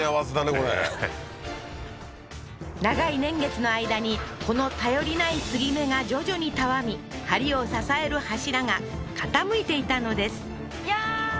これ長い年月の間にこの頼りない継ぎ目が徐々にたわみ梁を支える柱が傾いていたのですいやー